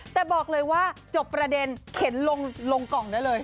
แต่บอกเลยว่าจบประเด็นเข็นลงกล่องได้เลย